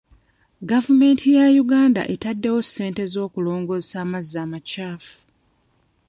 Gavumenti ya Uganda etaddewo ssente z'okulongoosa amazzi amakyafu.